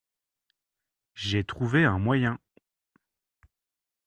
J’ai trouvé un moyen.